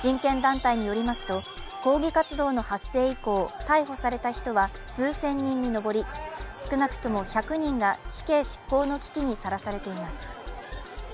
人権団体によりますと抗議活動の発生以降逮捕された人は数千人に上り少なくとも１００人が死刑執行の危機にさらされています。